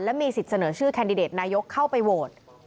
และมีสิทธิ์เสนอชื่อแคนดิเดตนายกเข้าไปโหวต